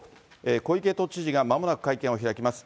小池都知事がまもなく会見を開きます。